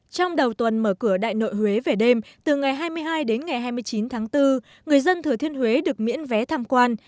trong đầu tuần mở cửa đại nội huế về đêm từ ngày hai mươi hai đến ngày hai mươi chín tháng bốn người dân thừa thiên huế được miễn vé tham quan